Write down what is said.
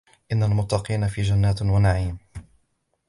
إن المتقين في جنات ونعيم